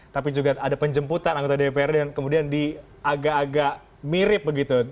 tapi juga ada penjemputan anggota dprd yang kemudian agak agak mirip begitu